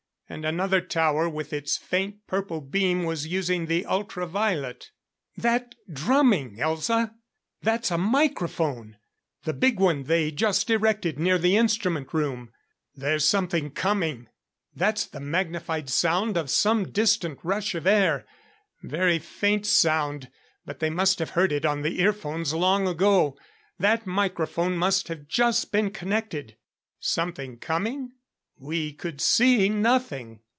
And another tower with its faint purple beam was using the ultra violet. "That drumming, Elza! That's a microphone the big one they just erected near the instrument room. There's something coming! That's the magnified sound of some distant rush of air. Very faint sound, but they must have heard it on the ear phones long ago. That microphone must have just been connected " Something coming? We could see nothing.